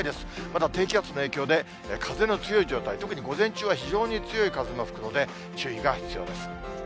まだ低気圧の影響で、風の強い状態、特に午前中は非常に強い風が吹くので、注意が必要です。